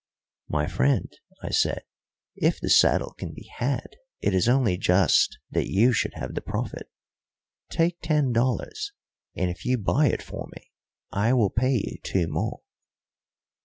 "My friend," I said, "if the saddle can be had, it is only just that you should have the profit. Take ten dollars, and if you buy it for me I will pay you two more."